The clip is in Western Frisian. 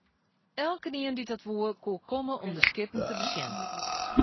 Eltsenien dy't dat woe, koe komme om de skippen te besjen.